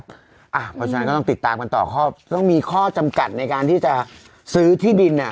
เพราะฉะนั้นก็ต้องติดตามกันต่อข้อต้องมีข้อจำกัดในการที่จะซื้อที่ดิน